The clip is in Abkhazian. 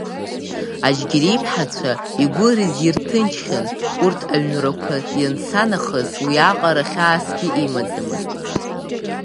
Ажьгьери иԥҳацәа игәы рызирҭынчхьан урҭ аҩнрақәа ианца нахыс уиаҟара хьаасгьы имаӡамызт.